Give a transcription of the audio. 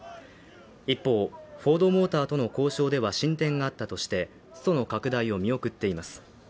一方フォード・モーターとの交渉では進展があったとしてその拡大を見送っています